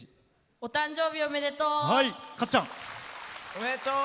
お誕生日、おめでとう！